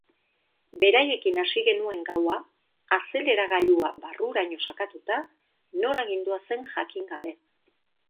Beraiekin hasi genuen gaua, azeleragailua barruraino sakatuta, nora gindoazen jakin gabe.